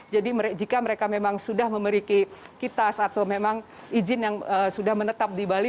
jadi jika mereka memang sudah memeriki kitas atau memang izin yang sudah menetap di bali